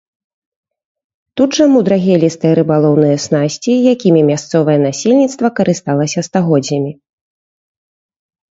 Тут жа мудрагелістыя рыбалоўныя снасці, якімі мясцовае насельніцтва карысталася стагоддзямі.